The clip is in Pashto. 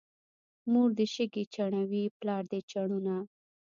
مور دې شګې چڼوي، پلار دې چنونه.